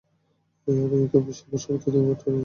American bishop সমিতি থেকে পাঠানো টেপগুলো পেয়েছ?